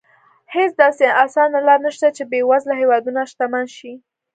هېڅ داسې اسانه لار نه شته چې بېوزله هېوادونه شتمن شي.